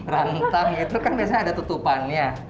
rantang itu kan biasanya ada tutupannya